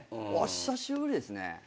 久しぶりですね。